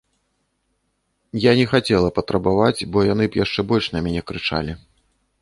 Я не хацела патрабаваць, бо яны б яшчэ больш на мяне крычалі.